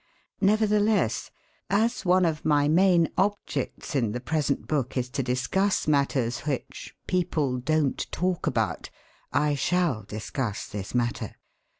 Nevertheless, as one of my main objects in the present book is to discuss matters which 'people don't talk about,' I shall discuss this matter.